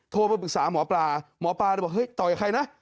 โทรมาปรึกษาหมอปลาหมอปลาบอกต่อยกับใครนะ